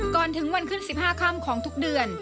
ก่อนถึงวันขึ้น๑๕ค่ำของทุกเดือน